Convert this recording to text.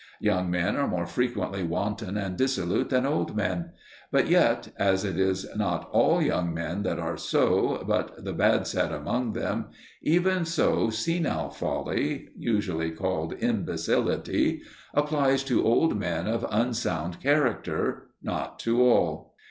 Young men are more frequently wanton and dissolute than old men; but yet, as it is not all young men that are so, but the bad set among them, even so senile folly usually called imbecility applies to old men of unsound character, not to all.